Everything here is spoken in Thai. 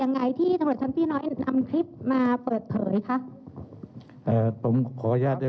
เรามีการปิดบันทึกจับกลุ่มเขาหรือหลังเกิดเหตุแล้วเนี่ย